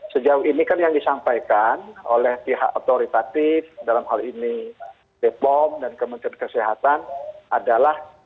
sejauh ini kan yang disampaikan oleh pihak otoritatif dalam hal ini bepom dan kementerian kesehatan adalah